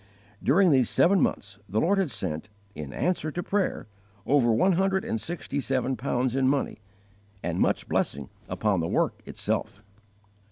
During these seven months the Lord had sent, in answer to prayer, over one hundred and sixty seven pounds in money, and much blessing upon the work itself.